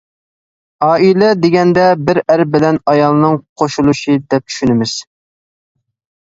ئائىلە دېگەندە بىز ئەر بىلەن ئايالنىڭ قوشۇلۇشى دەپ چۈشىنىمىز.